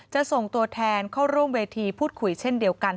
จะส่งตัวแทนเข้าร่วมเวทีพูดคุยเช่นเดียวกัน